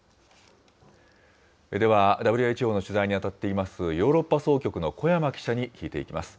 では、ＷＨＯの取材に当たっています、ヨーロッパ総局の古山記者に聞いていきます。